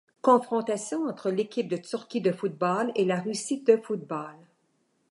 Confrontations entre l'équipe de Turquie de football et la Russie de football.